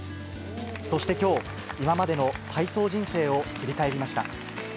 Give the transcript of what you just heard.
そしてきょう、今までの体操人生を振り返りました。